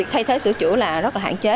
thay thế sửa chữa là rất là hạn chế